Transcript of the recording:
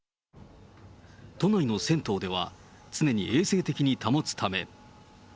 都内の銭湯では、常に衛生的に保つため。